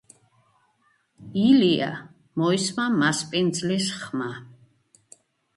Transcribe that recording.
- ილია! - მოისმა მასპინძლის ხმა,